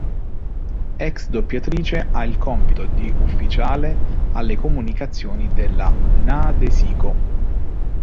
Ex-doppiatrice, ha il compito di ufficiale alle comunicazioni della "Nadesico".